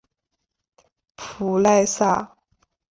普赖萨。